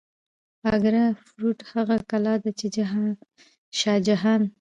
اګره فورت هغه کلا ده چې شاه جهان